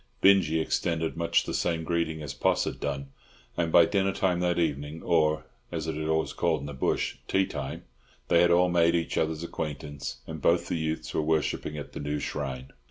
Binjie extended much the same greeting as Poss had done; and by dinner time that evening—or, as it is always called in the bush, tea time—they had all made each other's acquaintance, and both the youths were worshipping at the new shrine.